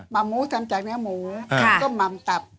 ม่ำหมูทำจากเนื้อหมูก็ม่ำตับ